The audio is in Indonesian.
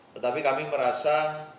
tetapi kami merasa